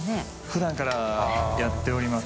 普段からやっております。